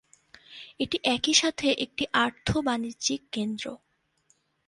এটি একই সাথে একটি আর্থ-বাণিজ্যিক কেন্দ্র।